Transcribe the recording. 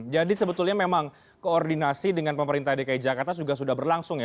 jadi sebetulnya memang koordinasi dengan pemerintah dki jakarta sudah berlangsung ya